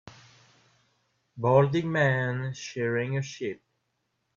Balding man shearing a sheep.